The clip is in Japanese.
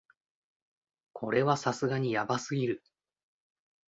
これはさすがにヤバすぎる